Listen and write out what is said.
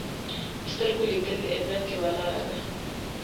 په سترګو لیدل د عبرت یوه لاره ده